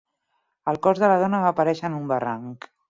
El cos de la dona va aparèixer en un barranc.